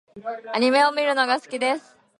アニメを見るのが好きです。